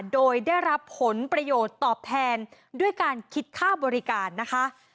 โดยได้รับผลประโยชน์ตอบแทนด้วยการคิดค่าบริการนะคะ